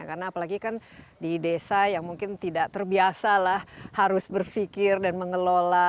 karena apalagi kan di desa yang mungkin tidak terbiasalah harus berpikir dan mengelola